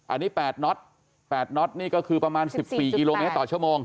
อันนี้๘น็อต๘น็อตนี่ก็คือประมาณ๑๔กิโลเมตรต่อชั่วโมง